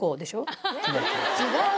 違う。